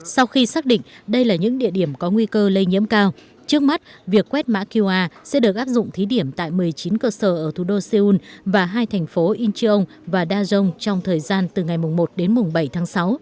sau khi xác định đây là những địa điểm có nguy cơ lây nhiễm cao trước mắt việc quét mã qr sẽ được áp dụng thí điểm tại một mươi chín cơ sở ở thủ đô seoul và hai thành phố incheon và daejeon trong thời gian từ ngày một đến bảy tháng sáu